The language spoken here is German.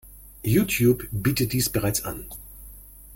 YouTube bietet dies bereits an.